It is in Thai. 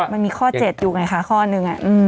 มันมีข้อ๗อยู่ไงคะข้อหนึ่ง